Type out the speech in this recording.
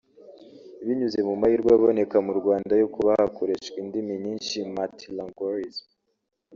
Binyuze mu mahirwe aboneka mu Rwanda yo kuba hakoreshwa indimi nyinshi (multi-lingualism)